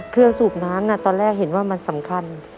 สูบน้ำตอนแรกเห็นว่ามันสำคัญ